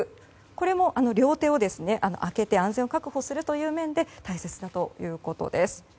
これも両手を開けて安全を確保するという面で大切だということです。